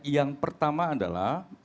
yang pertama adalah